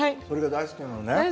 それが大好きなのね。